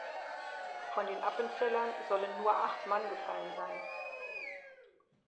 Von den Appenzellern sollen nur acht Mann gefallen sein.